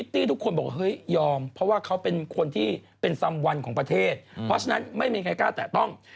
ที่เป็นสำวัญของประเทศเพราะฉะนั้นไม่มีใครกล้าแตะต้อง